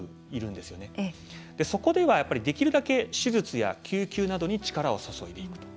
そこではできるだけ手術や救急などに力を注いでいくと。